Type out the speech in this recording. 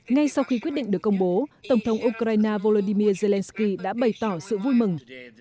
ngay sau khi quyết định được công bố tổng thống ukraine volodymyr zelenskyy đã bày tỏ sự vui mừng